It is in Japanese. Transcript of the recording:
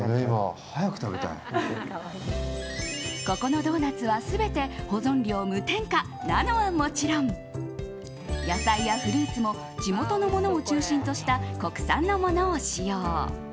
ここのドーナツは全て保存料無添加なのはもちろん野菜やフルーツも地元のものを中心とした国産のものを使用。